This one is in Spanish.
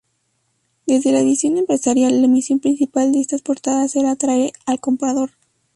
Desde la visión empresarial, la misión principal de estas portadas era atraer al comprador.